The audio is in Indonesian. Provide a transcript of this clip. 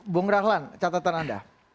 bung rahlan catatan anda